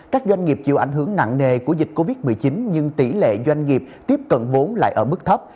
các doanh nghiệp chịu ảnh hưởng nặng nề của dịch covid một mươi chín nhưng tỷ lệ doanh nghiệp tiếp cận vốn lại ở mức thấp